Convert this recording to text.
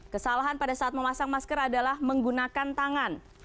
kesalahan pada saat memasang masker adalah menggunakan tangan